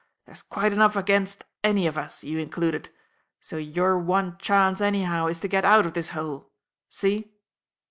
There's quite enough against any of us, you included; so your one chance anyhow is to get out of this hole. See?"